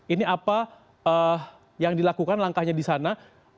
ini apa yang dilakukan langkahnya di sana